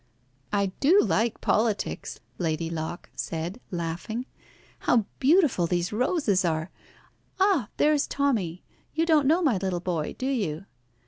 "I do like politics," Lady Locke said, laughing. "How beautiful these roses are! Ah, there is Tommy. You don't know my little boy, do you?"